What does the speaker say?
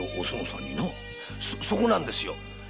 そこなんですよ。